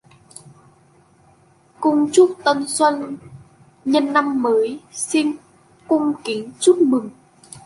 Cung chúc tân xuân: nhân năm mới, xin cung kính chúc mừng